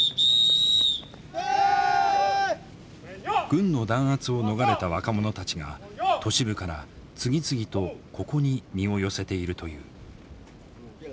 軍の弾圧を逃れた若者たちが都市部から次々とここに身を寄せているという。